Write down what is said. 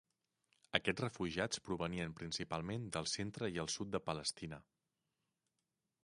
Aquests refugiats provenien principalment del centre i el sud de Palestina.